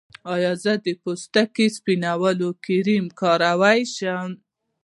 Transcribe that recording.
ایا زه د پوستکي سپینولو کریم کارولی شم؟